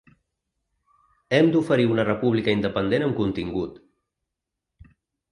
Hem d’oferir una república independent amb contingut.